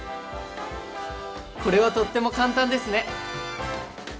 これはとっても簡単ですね！